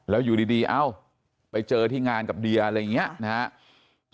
แล้วอยู่ดีไปเจอที่งานกับเดียอะไรอย่างนี้